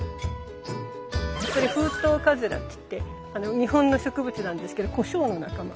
これフウトウカズラっていって日本の植物なんですけどコショウの仲間。